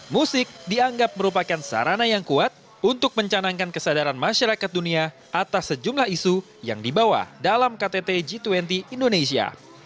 musik dianggap merupakan sarana yang kuat untuk mencanangkan kesadaran masyarakat dunia atas sejumlah isu yang dibawa dalam ktt g dua puluh indonesia